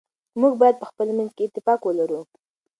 موږ باید په خپل منځ کي اتفاق ولرو.